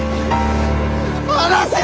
離せ！